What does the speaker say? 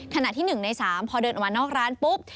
ขณะที่๑ใน๓พอเดินออกมานอกร้านปุ๊บ